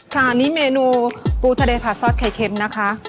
ค่ะนี่เมนูปูสะเดยผาซอสไข่เค็มนะคะ